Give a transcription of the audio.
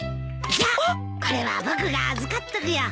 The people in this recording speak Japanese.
じゃあこれは僕が預かっとくよ。